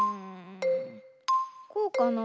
こうかな？